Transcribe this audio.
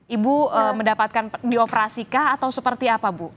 ibu mendapatkan dioperasi kah atau seperti apa ibu